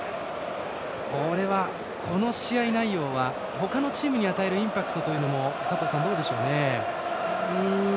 これは、この試合内容は他のチームに与えるインパクトも佐藤さん、どうでしょうね。